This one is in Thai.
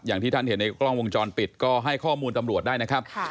อย่างที่ท่านเห็นในกล้องวงจรปิดก็ให้ข้อมูลตำรวจได้นะครับ